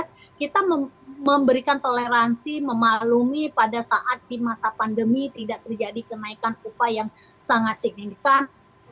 karena kita memberikan toleransi memalumi pada saat di masa pandemi tidak terjadi kenaikan upaya yang sangat signifikan